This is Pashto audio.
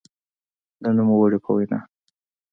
د نوموړي په وینا؛